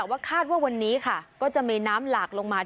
ว่าคาดว่าวันนี้ค่ะก็จะมีน้ำหลากลงมา